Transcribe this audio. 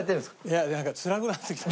いやなんかつらくなってきた。